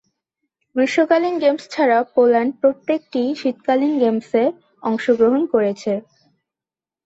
গ্রীষ্মকালীন গেমস ছাড়াও পোল্যান্ড প্রত্যেকটি শীতকালীন গেমসে অংশগ্রহণ করেছে।